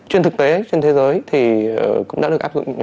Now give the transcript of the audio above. trên thực tế trên thế giới thì cũng đã được áp dụng